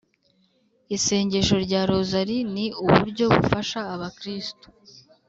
isengesho rya rozali ni uburyo bufasha abakristu